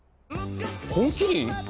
「本麒麟」